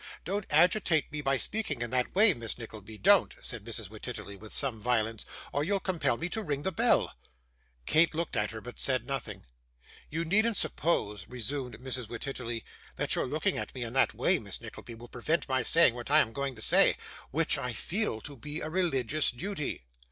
'Don't agitate me by speaking in that way, Miss Nickleby, don't,' said Mrs. Wititterly, with some violence, 'or you'll compel me to ring the bell.' Kate looked at her, but said nothing. 'You needn't suppose,' resumed Mrs. Wititterly, 'that your looking at me in that way, Miss Nickleby, will prevent my saying what I am going to say, which I feel to be a religious duty.